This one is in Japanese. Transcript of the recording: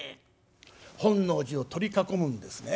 本能寺を取り囲むんですね。